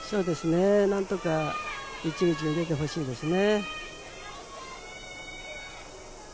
なんとか市口に出てほしいですね。